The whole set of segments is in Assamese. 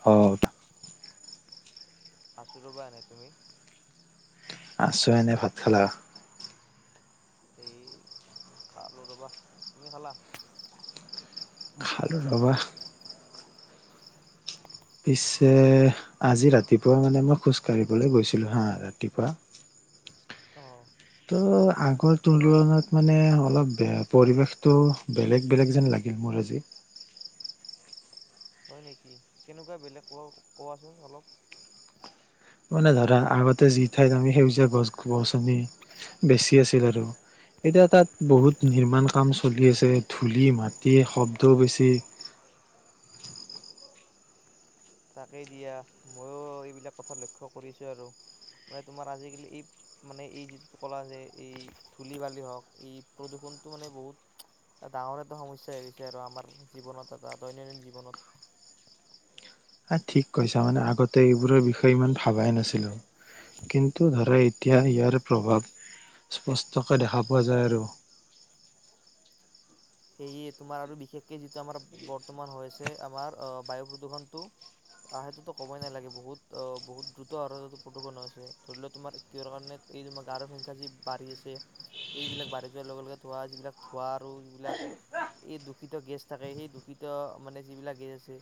স [unintelligible] আছোঁ ৰ'বা এনেই তুমি আছো এনে ভাত খালা? এ খালো ৰবা তুমি খালা? খালো ৰবা পিছে আজি ৰাতিপুৱা মানে মই খোজকাঢ়িবলৈ গৈছিলোঁ হা ৰাতিপুৱা অ আগৰ তুলনাত মানে অলপ বেয়া পৰিৱেশতটো বেলেগ বেলেগ যেন লাগিল মোৰ আজি হয় নেকি কেনেকুৱা বেলেগ কোৱা কোৱাচোন অলপ মানে ধৰা আগতে যি ঠাইত আমি সেউজীয়া গছ গ গছনি বেছি আছিল আৰু এতিয়া তাত বহুত নিৰ্মান কাম চলি আছে ধূলি মাটি শব্দও বেছি তাকেই দিয়া ময়ো এইবিলাক কথা লক্ষ্য কৰিছো আৰু মানে তোমাৰ আজিকালি এই মানে এই যিটো কলা যে এই ধূলি বালি হওক এই প্ৰদূষণটো মানে বহুত ডাঙৰ এটা সমস্যা হৈ গৈছে আৰু আমাৰ জীৱনত এটা দৈনন্দিন জীৱনত আ ঠিক কৈছা মানে আগতে এইবোৰৰ বিষয়ে ইমান ভাবাই নাছিলোঁ কিন্তু ধৰা এতিয়া ইয়াৰ প্ৰভাৱ স্পষ্টকৈ দেখা পোৱা যায় আৰু সেয়ে তোমাৰ আৰু বিশেষকে যিটো আমাৰ বৰ্তমান হৈছে আমাৰ বায়ু প্ৰদূৰ্ষণতটো সেইটোতো ক'বই নালাগে বহুত অ বহুত দ্ৰুত হ প্ৰদূৰণ আ হৈছে ধৰি লোৱা তোমাৰ কিহৰ কাৰণে এইমাৰ গাড়ী সংখ্যা যি বাঢ়ি আছে এইবিলাক বাঢ়ি যোৱাৰ লগে লগে ধোৱা যিবিলাক ধোঁৱা আৰু যিবিলাক এই দূষিত গেছ থাকে সেই দূষিত মানে যিবিলাক গেছ আছে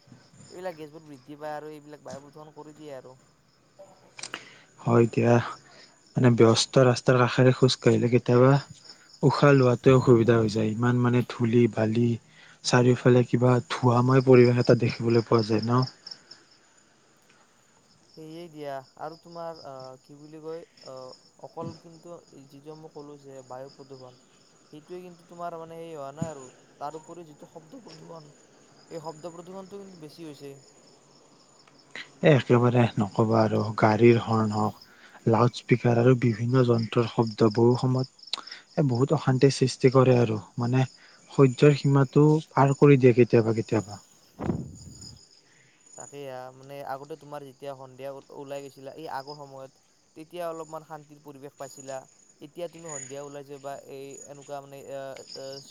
এইবিলাক গেছবোৰ বৃদ্ধি পায় আৰু এইবিলাক বায়ু প্ৰদূষণ কৰি দিয়ে আৰু। হয় দিয়া মানে ব্যৱস্থাৰ ৰাস্তাৰ কাষেৰে খোজ কাঢ়িলে কেতিয়াবা উশাহ লোৱাতে অসুবিধা হৈ যায় ইমান মানে ধূলি বালি চাৰিওফালে কিবা ধোৱাময় পৰিৱেশ এটা দেখিবলৈ পোৱা যায় ন? সেয়ে দিয়া আৰু তোমাৰ আহ কি বুলি কয় আহ অকল কিন্তু যি যে মই কলো যে বায়ু প্ৰদূৰ্ষণ সেইটোৱে কিন্তু তোমাৰ মানে সেই হোৱা নাই আৰু তাৰ উপৰি যিটো শব্দ প্ৰদূৰ্ষন এইেই শব্দ প্ৰদূৰ্ষনটো কিন্তু বেছি হৈছে। এ একেবাৰে নকবা আৰু গাড়ীৰ হৰ্ণ হওঁক লাউড স্পীকাৰ আৰু বিভিন্ন যন্ত্ৰৰ শব্দ বহু সময়ত বহুত অশান্তিৰ সৃষ্টি কৰে আৰু মানে সজজ্যয়ৰ সীমাটো পাৰ কৰি দিয়ে কেতিয়াবা কেতিয়াবা তাকে মানে আগতে তুমাৰ যেতিয়া সন্ধিয়া ওলাই গৈছিলা এই আগৰ সময়ত তেতিয়া অলপমান শান্তিৰ পৰিৱেশ পাইছিলা এতিয়া তুমি সন্ধিয়া ওলাই যে বা এই এনেকুৱা মানে এ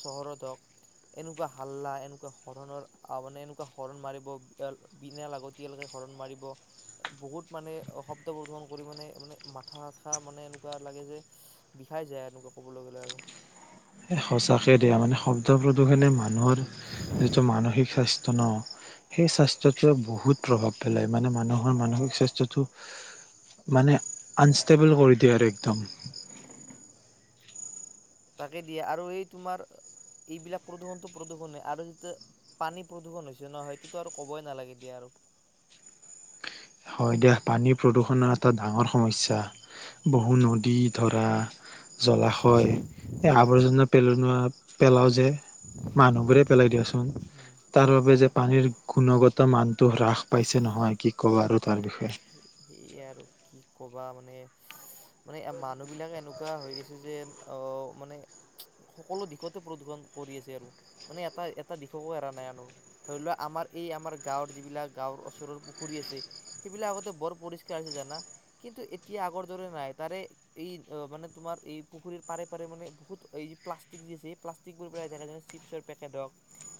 চহৰত হওক এনেকুৱা হাল্লা এনেকুৱা হৰণৰ মানে এনেকুৱা হৰণ মাৰিব বিনা লাগতিয়ালৈকে হৰন মাৰিব বহুত মানে শব্দ প্ৰধন কৰি মানে মানে মাথাচাথা মানে এনেকুৱা লাগে যে বিষাই যায় এনেকুৱা কবলৈ গ'লে আৰু সঁচাকে দিয়া মানে শব্দ প্ৰদূষণে মানুহৰ যিটো মানসিক স্বাস্থ্য ন সেই স্বাস্থ্যটোৱে বহুত প্ৰভাৱ পেলায় মানে মানুহৰ মানসিক স্বাস্থ্যটো মানে আনষ্টেবল কৰি দিয়ে আৰু একদম তাকে দিয়ে আৰু এই তোমাৰ এইবিলাক প্ৰদূৰণটো প্ৰদূৰণ আৰু যেতিয়া পানী প্ৰদূৰ্ষন হৈছে ন সেইটোতো আৰু কবই নালাগে দিয়া আৰু হয় দিয়া পানীৰ প্ৰদূষণৰ এটা ডাঙৰ সমস্যা বহু নদী ধৰা জলাশয় এই আৱৰ্জনা পেলনোয়াত পেলাও যে মানুহবোৰে পেলাই দিয়াচোন উম, তাৰ বাবে যে তাকেতো পানীৰ গুণগত মান তো হ্ৰাস পাইছে নহয় কি ক'বাৰত তাৰ সেই আৰু কি কবা মানে মানে মানে মানুহ বিলাক এনেকুৱা হৈ গৈছে যে আহ মানে সকলো দিশতে প্ৰদূৰষন কৰি আছে আৰু মানে এটা এটা দিশকো এৰা নাই আনৰ ধৰি লোৱা আমাৰ এই আমাৰ গাঁৱৰ যিবিলাক গাঁৱৰ ওচৰৰ পুখুৰী আছে সেইবিলাক আগতে বৰ পৰিষ্কাৰ হৈছে জানা কিন্তু এতিয়া আগৰ দৰে নাই তাৰে এই মানে তোমাৰ এই পুখুৰীৰ পাৰে পাৰে মানে বহুত এই প্লাষ্টিক যি আছে এই প্লাষ্টিকবোৰ পেলাই থাকে যেনে চিপছৰ পেকে হওক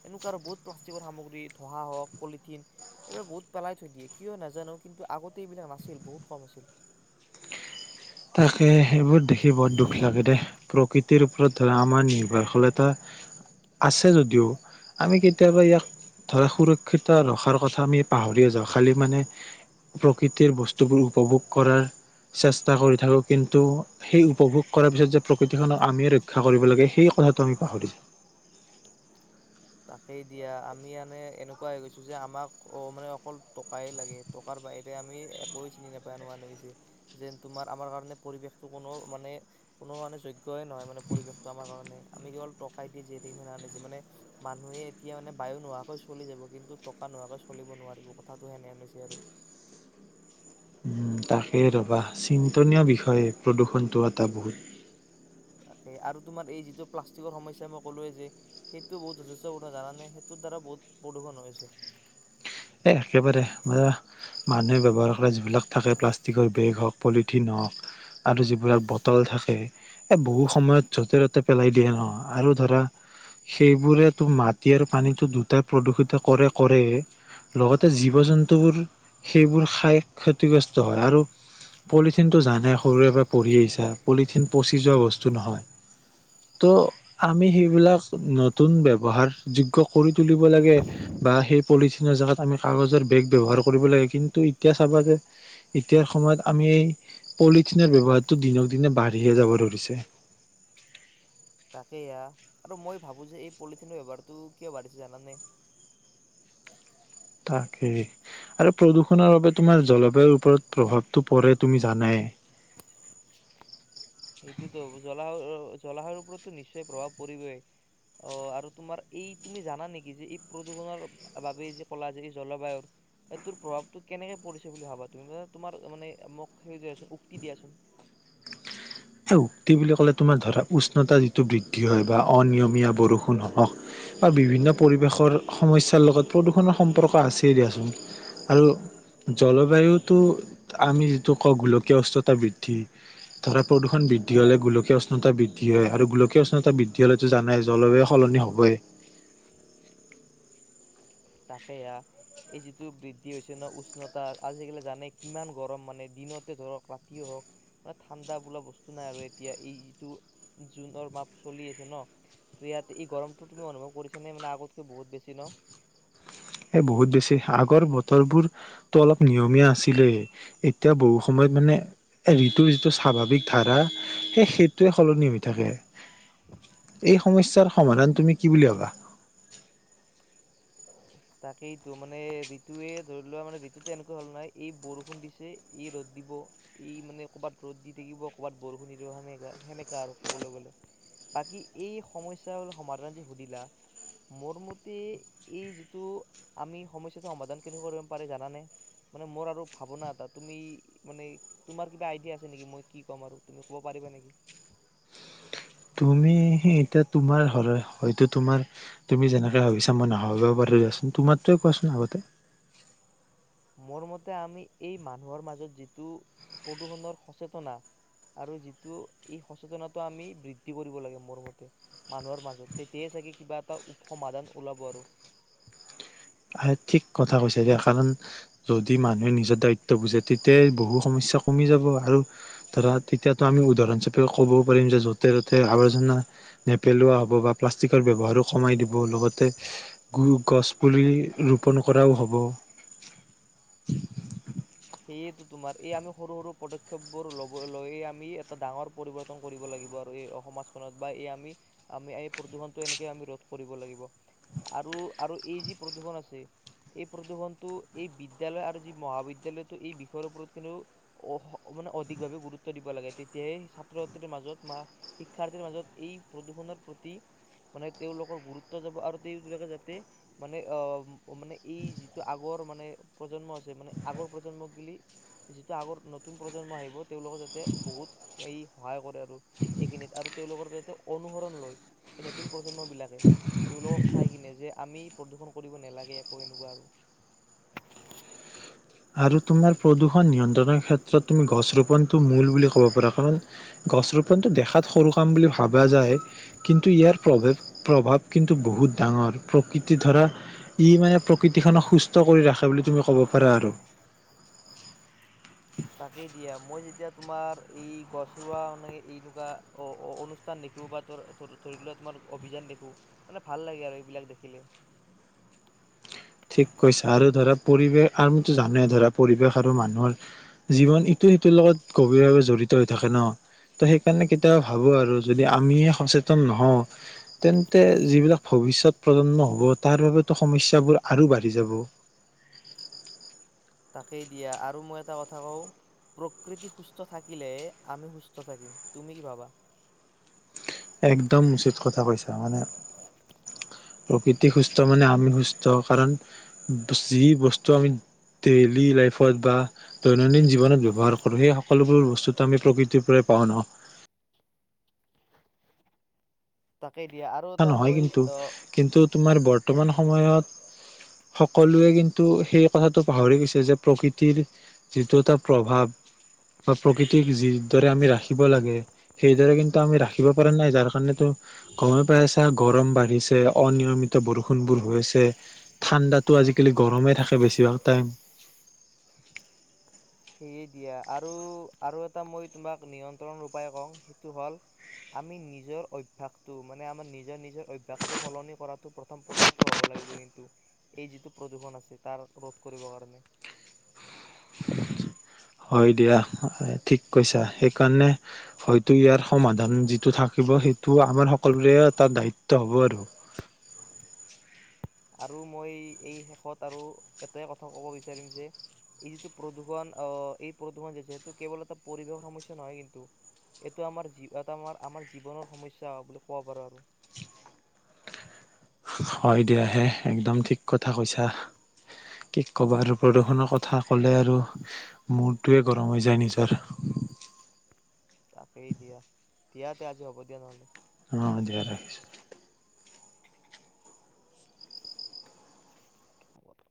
এনেকুৱা আৰু বহুত প্লাষ্টিকৰ সামগ্ৰী ধোহা হওক পলিথিন এইবিলাক বহুত পেলাই থৈ দিয়ে কিয় নাজানো কিন্তু আগতে এইবিলাক নাছিল বহুত কম আছিল। তাকে সেইবোৰ দেখি বৰ দুখ লাগে দে প্ৰকৃতিৰ ওপৰত ধৰা আমাৰ নিৰ্ভৰশীলতা আছে যদিও আমি কেতিয়াবা ইয়াক ধৰা সুৰক্ষিত ৰখাৰ কথা আমি পাহৰি যাওঁ খালি মানে প্ৰকৃতিৰ বস্তুবোৰ উপভোগ কৰাৰ চেষ্টা া কৰি থাকোঁ কিন্তু সেই উপভোগ কৰাৰ পিছত যে প্ৰকৃতিখনক আমিয়ে ৰক্ষা কৰিব লাগে সেই কথাটো আমি পাহৰিছা তাকেই দিয়া আমি মানে এনেকুৱা হৈ গৈছো যে আমাক অ মানে অকল টকাই লাগে টকাৰ বাহিৰে আমি একোৱে চিনি নাপাই আোহ গৈছে যেন তোমাৰ আমাৰ কাৰণে পৰিৱেশটো কোনো মান কোনো মানে যোগ্য়ে নহয় মানে পৰিৱেশটো আমাৰ কাৰণে আমি কেৱল টকাই দি মানে মানুহে এতিয়া মানে বায়ু নোহোৱাকৈ চলি যাব কিন্তু টকা নোহোৱাকৈ চলিব নোৱাৰিব কথাটো সেনেন হৈছে আৰু তাকে ৰবা চিন্তনীয় বিষয়ে প্ৰদূৰষণটো এটা বহুত তাকে আৰু তোমাৰ এই যিটো প্লাষ্টিকৰ সমস্যা মই ক'লোৱৱে যে সেইটো বহুত যথেষ্ট পূৰ্ণ ধাৰা নে সেইটোৰ দ্বাৰা বহুত প্ৰদূষণ হৈছে এ একেবাৰে মানুহে ব্য্ৱহাৰ কৰে যিবিলাক থাকে প্লাষ্টিকৰ বেগ হওক পলিথিন হওক আৰু যিবিলাক বটল থাকে এই বহু সময়ত য'তে ত'তে পেলাই দিয়ে ন আৰু ধৰা সেইবোৰেতো মাটি আৰু পানীতটো দুটাই প্ৰদূষিত কৰে কৰে লগতে জীৱ জন্তুবোৰ সেইবোৰ খাই ক্ষতিগ্ৰস্ত হয় আৰু পলিথিনটো জানে সৰুৰে পৰা পঢ়ি আহিছা পলিথিন পচি যোৱা বস্তু নহয় তো আমি সেইবিলাক নতুন ব্যৱহাৰযোগ্য কৰি তুলিব লাগে বা সেই পলিথিনৰ জেগাত আমি কাগজৰ বেগ ব্যৱহাৰ কৰিব লাগে কিন্তু এতিয়া চাবা যে এতিয়াৰ সময়ত আমি এই পলিথিনৰ ব্যৱহাৰটো দিনক দিনে বাঢ়ি যাব ধৰিছে তাকেই আৰু মই ভাবো যে এই পলিথিনৰ ব্যৱহাৰটো কিয় বাঢ়িছে জানানে তাকেই আৰু প্ৰদূষণৰ বাবে তোমাৰ জলবায়ুৰ ওপৰত প্ৰভাৱটো পৰে তুমি জানাই জলাশয়ুৰ ওপৰতো নিশ্চয় প্ৰভাৱ পৰিবই আহ আৰু তোমাৰ এই তুমি জানা নেকি যে এই প্ৰদূষণৰ বাবেই যে কলা যে এই জলবায়ুৰ এইটোৰ প্ৰভাৱটো কেনেকে পৰিছে বুলি ভাবা তুমি ম তোমাৰ মানে মোক সেইোন উক্তি দিয়াচোন মুক্তি বুলি ক'লে তোমাৰ ধৰা উষ্ণতা যিটো বৃদ্ধি হয় বা অনিয়মীয়া বৰষুণ হওক বা বিভিন্ন পৰিৱেশৰ সমস্যাৰ লগত প্ৰদূষণৰ সম্পৰ্ক আছেই দিয়াচোন আৰু জলবায়ুটো আমি যিটো কওঁ গোলকীয়া উষ্ণতা বৃদ্ধি ধৰা প্ৰদূষণ বৃদ্ধি হ'লে গোলকীয় উষ্ণতা বৃদ্ধি হয় আৰু গোলকীয় উষ্ণতা বৃদ্ধি হ'লেতো জানে জলবায়ু সলনি হ'ব তাকে এই যিটো বৃদ্ধি হৈছে ন উষ্ণতা আজিকালি জানে কিমান গৰম মানে দিনতে ধৰক ৰাতিে হওক মানে ঠাণ্ডা বোলা বস্তু নাই আৰু এতিয়া এই যিটো জুনৰ মাহ চলি আছে ন ত ইয়াত এই গৰমটো তুমি অনুভৱ কৰিছা নে মানে আগতকৈ বহুত বেছি ন এ বহুত বেছি আগৰ বতৰবোৰতো অলপ নিয়মীয়া আছিলেই এতিয়া বহু সময়ত মানে ঋতুৰ যিটো স্বাভাৱিক ধাৰা সেই সেইটোৱে সলনি হৈ থাকে এই সমস্যাৰ সেই- সমাধান তুমি কি বুলি ভাবা তাকেইতো মানে ঋতুে ধৰি লোৱা মানে ঋতুতো এনেকুৱা হল নাই এই বৰষুণ দিছে এই ৰ'দ দিব এই মানে ক'ৰবাত ৰ'দ দি থাকিব কৰবাত বৰষুণ দি দিব সেনেকা সেনেকা আৰু কবলৈ গলে বাকী এই সমাধান যে সুধিলা মোৰ মতে এই যি আমি সমস্যাটো সমাধান কেনেক কৰিব পাৰে জানানে মানে মোৰ আৰু ভাৱনা এটা তুমি মানে তোমাৰ কিবা আইডিয়া আছে নেকি মই কি ক'ম আৰু তুমি কব পাৰিবা নেকি তুমি এতিয়া তোমাৰ হয়তো তোমাৰ তুমি যেনেকে ভাবিছা মই নাভাবিবা পাৰো দিয়াচোন তোমাৰে কোৱাচোন আগতে মোৰ মতে আমি এই মানুহৰ মাজত যিটো প্ৰদূৰ্ষণৰ সচেতনা আৰু যিটো এই সচেতনটো আমি বৃদ্ধি কৰিব লাগে মোৰ মতে মানুহৰ মাজত তেতিয়াই চাগে কিবা এটা সমাধান ওলাব আৰু আহ ঠিক কথা কৈছে এয়া কাৰণ যদি মানুহে নিজৰ দায়িত্ব বুজে তেতিয়াই বহু সমস্যাৰ কমি যাব আৰু ধৰা তেতিয়াতো আমি উদাহৰণ হিাপে ক'বও পাৰিম যে য'তে ত'তে আৱৰ্জনা নেপেলোৱা হ'ব বা প্লাষ্টিকৰ ব্যৱহাৰো কমাই দিব লগতে গো গছ পুলি ৰোপণ কৰাও হ'ব সেইয়েতো তোমাৰ এই আমি সৰু সৰু পদক্ষেপ বোৰ লব লৈ আমি এটা ডাঙৰ পৰিৱৰ্তন কৰিব লাগিব আৰু এই সমাজখনত বা এই আমি আমি এই প্ৰদূৰ্ষনটো এনেকে আমি ৰোধ কৰিব লাগিব আৰু আৰু এই যি প্ৰদূৰন আছে এই প্ৰদূৰ্ষনটো এই বিদয়ালয় আৰু যি মহাবিদয়ালয়ত এই বিষয়ৰ ওপৰত কিন্তু অ মানে অধিকভাৱে গুৰুত্ব দিব লাগে তেতিয়াহে ছাত্ৰ ছাত্ৰীৰ মাজত বা শিক্ষাৰ্থীৰ মাজত এই প্ৰদূষণৰ প্ৰতি মানে তেওঁলোকৰ গুৰুত্ব যাব আৰু তেওঁলোকে যাতে মানে আহ অ মানে এই যিটো আগৰ মানে প্ৰজন্ম আছে মানে আগৰ প্ৰজন্মক গিলি যিটো আগৰ নতুন প্ৰজন্ম আহিব তেওঁলোকৰ যাতে বহুত এই সহায় কৰে এইখিনিত আৰু তেওঁলোকৰ অনুসৰণ লৈ নতুন প্ৰজন্ম বিলাকে তেওঁলোকক চাই কিনে যে আমি প্ৰদূ্ষন কৰিব নালাগে একো এনেকুৱা আৰু আৰু তোমাৰ প্ৰদূষণ নিয়ন্ত্ৰণৰ ক্ষেত্ৰত তুমি গছ ৰোপণটো মূল বুলি ক'ব পাৰা কাৰণ গছ ৰোপণটো দেখাত সৰু কাম বুলি ভাবা যায় কিন্তু ইয়াৰ প্ৰভেৱ প্ৰভাৱ কিন্তু বহুত ডাঙৰ প্ৰকৃতি ধৰা ই মানে প্ৰকৃতিখনক সুস্থ কৰি ৰাখে বুলি তুমি ক'ব পাৰা আৰু তাকেই দিয়া, মই যেতিয়া তোমাৰ এই গছ ৰোৱা মানে এনেকুৱা অনুষ্ঠান দেখো বা ত ধৰি লোৱা তোমাৰ অভিযান দেখো, মানে ভাল লাগে আৰু এইবিলাক দেখিলে। ঠিক কৈছা, আৰু ধৰা পৰিৱেশ আমিতো জানোৱেই ধৰা পৰিৱেশ আৰু মানুহৰ জীৱন ইটো সিটোৰ লগত গভীৰভাৱে জড়িত হৈ থাকে ন, ত সেইকাৰণে কেতিয়াবা ভাবো আৰু যদি আমি সচেতন নহওঁ, তেন্তে যিবিলাক ভৱিষ্যত প্ৰজন্ম হব তাৰ বাবেতো সমস্যাবোৰ আৰু বাঢ়ি যাব। তাকেই দিয়া আৰু মই এটা কথা কওঁ, প্ৰকৃতি সুস্থ থাকিলে আমি সুস্থ থাকিম তুমি কি ভাবা? একদম উচিত কথা কৈছা। মানে প্ৰকৃতি সুস্থ মানে আমি সুস্থ কাৰণ যি বস্তু আমি ডেইলি লাইফত বা দৈনন্দিন জীৱনত ব্যৱহাৰ কৰো সেই সকলোবোৰ বস্তুটো আমি প্ৰকৃতিৰ পৰাই পাওঁ ন। তাকেই দিয়া আৰু এটা নহয় মই কিন্তু, কিন্তু তোমাৰ বৰ্ত বৰ্তমান সময়ত সকলোৱে কিন্তু সেই কথাটো পাহৰি গৈছে যে প্ৰকৃতিৰ যিটো এটা প্ৰভাৱ, বা প্ৰকৃতিক যিদৰে আমি ৰাখিব লাগে, সেইদৰে কিন্তু আমি ৰাখিব পৰা নাই যাৰ কাৰণেতো গে চপাই চাহ গৰম বাঢ়িছে। অনিয়মিত বৰষুণবোৰ হৈছে। ঠাণ্ডাতো আজিকালি গৰমেই থাকে বেছিভাগ টাইম সেয়ে দিয়া আৰু আৰু এটা মই তোমাক নিয়ন্ত্ৰণ উপায় কওঁ, সেইটো হ'ল আমি নিজৰ অভ্যাসটো মানে আমাৰ নিজৰ নিজৰ অভ্যাসটো সলনি কৰাটো প্ৰথম প্ৰতক্ষ্য হব লাগিব কিন্তু, এই যিটো প্ৰদূৰ্ষণ আছে তাৰ ৰধ কৰিব কাৰণে হয় দিয়া ঠিক কৈছা সেইকাৰণে হয়তো ইয়াৰ সমাধান যিটো থাকিব সেইটো আমাৰ সকলোৰে তটা দায়িত্ব হ'ব আৰু। আৰু মই এই শেষত আৰু এটাই কথা কব বিচাৰিম যে, এই যিটো প্ৰদূষণ আহ এই প্ৰদূৰণ যে যিহটো কেৱল এটা পৰিৱেশৰ সমস্যা নহয় কিন্তু। এইটো আমাৰ এটা আমাৰ আমাৰ জীৱনৰ সমস্যা বুলি কব পাৰো আৰু। হয় দিয়াহে একদম ঠিক কথা কৈছা কি ক'বা আৰু প্ৰদূষণৰ কথা ক'লে আৰু মূৰটোৱে গৰম হৈ যায় নিজৰ। তাকেই দিয়া। দিয়াতে আজি হ'ব দিয়া নহলে অঁ দিয়া ৰাখিছো।